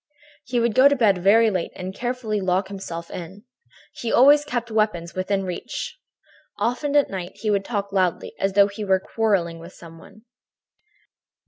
"He would go to bed very late and carefully lock himself in. He always kept weapons within reach. Often at night he would talk loudly, as though he were quarrelling with some one.